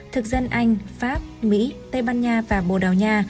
thực dân anh pháp mỹ tây ban nha và bồ đào nha